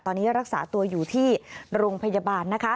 ตอนนี้รักษาตัวอยู่ที่โรงพยาบาลนะคะ